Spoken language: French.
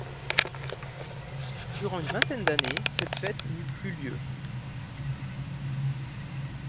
Durant une vingtaine d'années, cette fête n'eut plus lieu.